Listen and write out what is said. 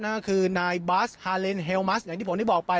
นั่นก็คือนายบาสฮาเลนเฮลมัสอย่างที่ผมได้บอกไป